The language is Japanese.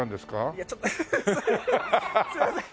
いやちょっとすいません。